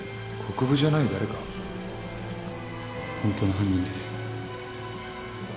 本当の犯人です。